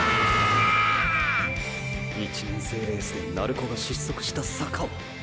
１年生レースで鳴子が失速した坂を。